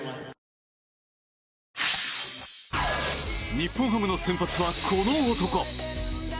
日本ハムの先発はこの男。